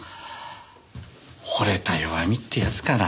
惚れた弱みってやつかな。